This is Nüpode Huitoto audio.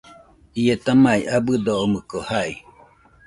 Ieta mai abɨdo omoɨko jai.